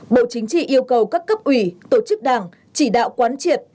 bộ chính trị yêu cầu các cấp ủy tổ chức đảng chỉ đạo quán triệt